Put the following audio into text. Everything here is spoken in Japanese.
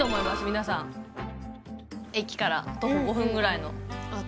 皆さん駅から徒歩５分ぐらいのああ